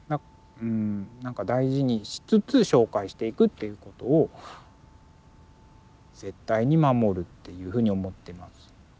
大事にしつつ紹介していくっていうことを絶対に守るっていうふうに思ってます。